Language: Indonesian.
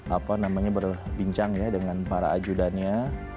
apa namanya berbincang ya dengan para ajudannya